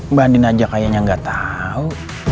mbak andin aja kayaknya nggak tahu